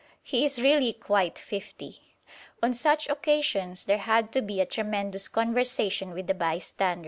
He is really quite fifty. On such occasions there had to be a tremendous conversation with the bystanders.